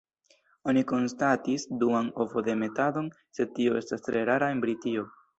Oni konstatis duan ovodemetadon, sed tio estas tre rara en Britio.